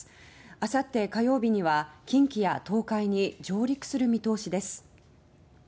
明後日、火曜日には近畿や東海に上陸する見通しです。